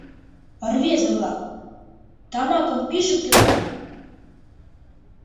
— Рвезе-влак, тамакым пижыктыза!